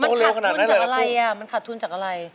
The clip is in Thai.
มันขาดทุนจากอะไรอ่ะมันขาดทุนจากอะไร